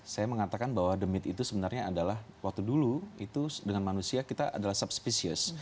saya mengatakan bahwa the midd itu sebenarnya adalah waktu dulu itu dengan manusia kita adalah subspecius